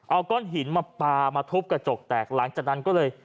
เอาก้อนหินมาปลามาทุบกระจกแตกหลังจากนั้นก็เลย